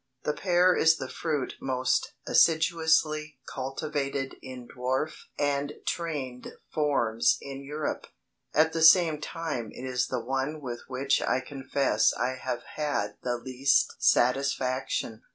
The pear is the fruit most assiduously cultivated in dwarf and trained forms in Europe. At the same time it is the one with which I confess I have had the least satisfaction.